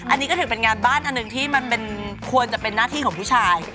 อันนี้ก็ถือเป็นงานบ้านอันหนึ่งที่มันควรจะเป็นหน้าที่ของผู้ชาย